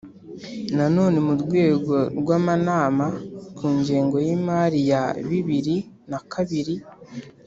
na none, mu rwego rw'amanama ku ngengo y'imari ya bibiri na kabiri,